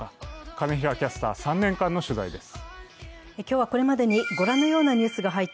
金平キャスター３年間の取材です。